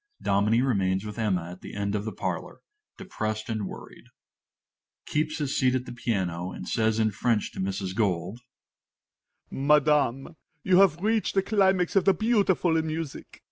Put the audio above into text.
Dominie remains with Emma at the end of the parlor, depressed and worried._) MR. FORTE (keeps his seat at the piano, and says in French to Mrs. Gold). Madam, you have reached the climax of the beautiful in music.